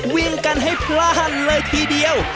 วิ่งกันให้พลาดเลยทีเดียว